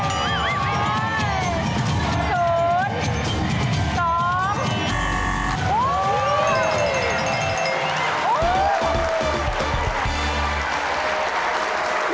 เลขที่ออกคือ